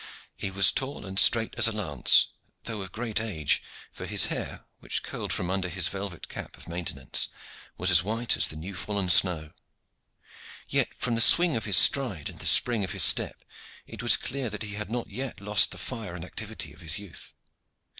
He was tall and straight as a lance, though of a great age, for his hair, which curled from under his velvet cap of maintenance, was as white as the new fallen snow. Yet, from the swing of his stride and the spring of his step, it was clear that he had not yet lost the fire and activity of his youth.